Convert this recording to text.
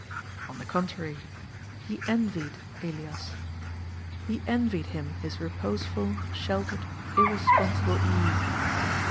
On the contrary, he envied Elias. He envied him his reposeful, sheltered, irresponsible ease.